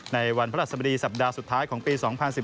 ในวันพระราชสมดีสัปดาห์สุดท้ายของปี๒๐๑๘